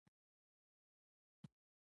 که موفق وي او که نه وي.